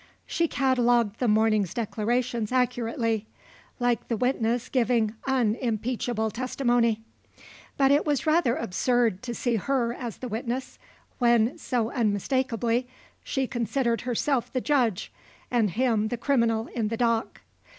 She catalogued the morning's declarations accurately, like the witness giving unimpeachable testimony. But it was rather absurd to see her as the witness, when, so unmistakably, she considered herself the judge and him the criminal in the dock.